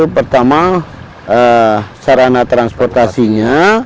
pertama sarana transportasinya